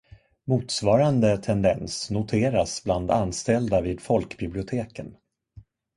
Motsvarande tendens noteras bland anställda vid folkbiblioteken.